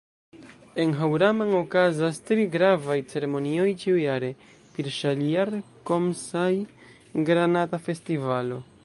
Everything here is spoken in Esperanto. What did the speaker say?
En Haŭraman okazas tri gravaj ceremonioj ĉiujare: PirŜaliar - Komsaj - Granata Festivalo